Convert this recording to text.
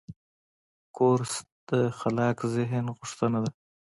کورس د خلاق ذهن غوښتنه ده.